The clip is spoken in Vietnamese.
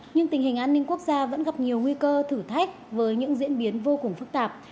nhưng tình hình an ninh quốc gia vẫn gặp nhiều nguy cơ thử thách với những diễn biến vô cùng phức tạp